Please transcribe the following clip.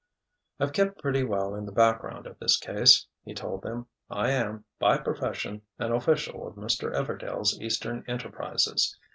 "I've kept pretty well in the background of this case," he told them. "I am, by profession, an official of Mr. Everdail's eastern enterprises.